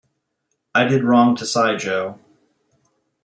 I did wrong to sigh, Jo.